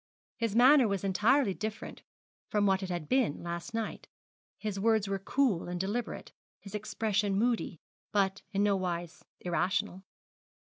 His manner was entirely different from what it had been last night. His words were cool and deliberate, his expression moody, but in nowise irrational.